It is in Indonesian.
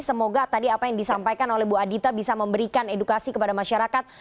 semoga tadi apa yang disampaikan oleh bu adita bisa memberikan edukasi kepada masyarakat